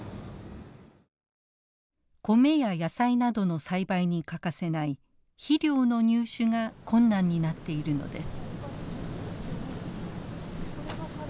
コメや野菜などの栽培に欠かせない肥料の入手が困難になっているのです。